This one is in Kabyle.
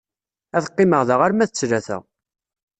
Ad qqimeɣ da arma d ttlata.